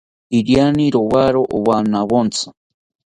Iriani rowawo owanawontzi